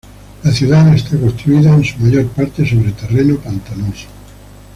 La ciudad está construida en su mayor parte sobre terreno pantanoso.